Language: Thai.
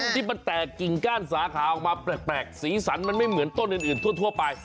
ที่มันแตกกิ่งก้านสาขาออกมาแปลกสีสันมันไม่เหมือนต้นอื่นทั่วไป